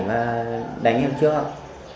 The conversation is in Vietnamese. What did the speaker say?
và đánh em trước